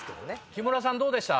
木村さんどうでした？